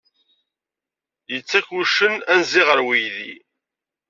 Yettak wuccen anzi ɣer uydi.